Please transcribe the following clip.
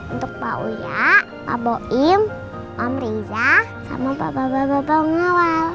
untuk pak wuyah pak boim pak merizah sama pak bapak bapak ngawal